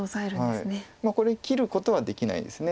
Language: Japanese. これ切ることはできないです。